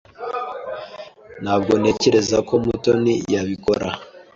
Ntabwo ntekereza ko Mutoni yabikora.